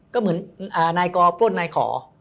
ก็เหมือนนายกอปล้นนายขอ